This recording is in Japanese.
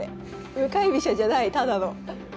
向かい飛車じゃないただの。